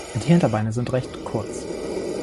Die Hinterbeine sind recht kurz.